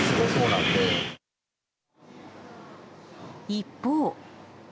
一方。